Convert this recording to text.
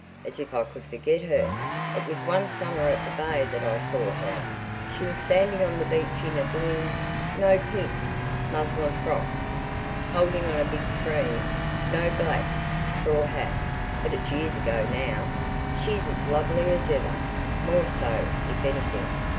As if I could forget her! It was one summer at the Bay that I saw her. She was standing on the beach in a blue"—no, pink—"muslin frock, holding on a big cream"—no, black—"straw hat. But it's years ago now." "She's as lovely as ever, more so if anything."